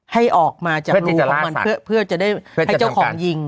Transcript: ให้ออกมาจากรูของมันเพื่อจะได้ให้เจ้าของยิง